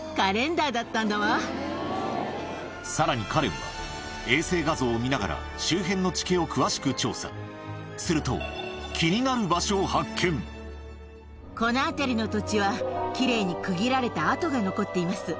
さらにカレンは衛星画像を見ながら周辺の地形を詳しく調査するとこの辺りの土地は奇麗に区切られた跡が残っています。